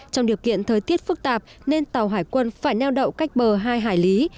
trong điều kiện thời tiết phức tạp nên tàu hải quân phải neo đậu cách bờ hai hải lý